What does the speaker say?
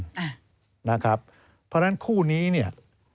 เพราะฉะนั้นคู่นี้เนี่ย